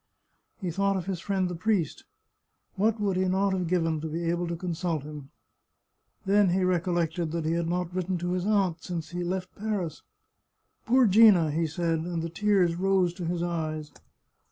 He thought of his friend the priest. What would he not have given to be able to consult him ! Then he recollected that he had not written to his aunt since he left Paris. " Poor Gina !" he said, and the tears rose to his eyes.